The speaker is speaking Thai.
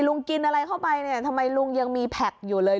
กินอะไรเข้าไปเนี่ยทำไมลุงยังมีแพคอยู่เลย